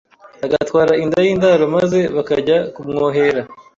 agatwara inda y’indaro maze bakajya kumwohera